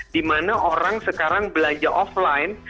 dimana orang sekarang belanja offline